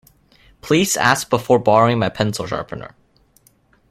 Please ask before borrowing my pencil sharpener.